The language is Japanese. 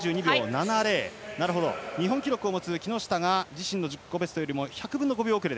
日本記録を持つ木下が自身の自己ベストより１００分の５秒遅れ。